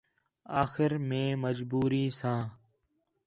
آخر مئے مجبوری ساں